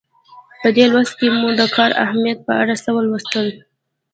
په دې لوست کې مو د کار د اهمیت په اړه څه ولوستل.